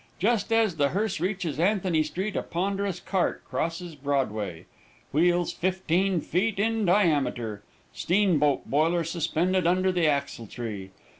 Just as the hearse reaches Anthony street a ponderous cart crosses Broadway. Wheels fifteen feet in diameter. Steamboat boiler suspended under the axletree.